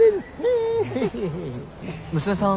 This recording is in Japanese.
娘さん